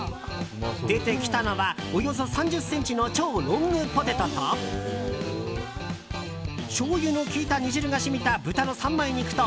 出てきたのは、およそ３０ｃｍの超ロングポテトとしょうゆの効いた煮汁が染みた豚の三枚肉と